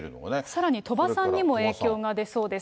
さらに鳥羽さんにも影響が出そうです。